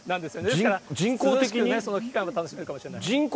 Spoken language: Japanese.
ですから涼しくその期間は楽しめるかもしれない。